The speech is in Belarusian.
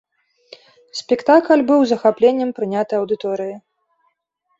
Спектакль быў з захапленнем прыняты аўдыторыяй.